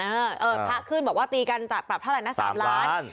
เออเออพระขึ้นบอกว่าตีกันจากปรับธรรณนักสามล้าน